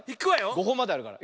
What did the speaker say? ５ほんまであるからね。